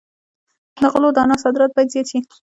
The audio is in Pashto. د غلو دانو صادرات باید زیات شي.